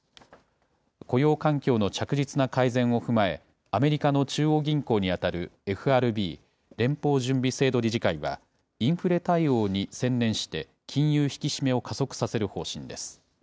雇用環境の着実な改善を踏まえ、アメリカの中央銀行に当たるＦＲＢ・連邦準備制度理事会は、インフレ対応に専念して、金融引き締めを加速させる方針です。